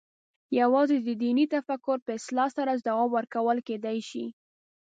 یوازې د دیني تفکر په اصلاح سره ځواب ورکول کېدای شي.